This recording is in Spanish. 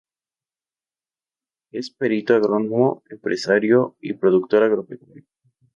Es perito agrónomo, empresario y productor agropecuario.